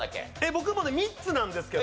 僕もね３つなんですけど。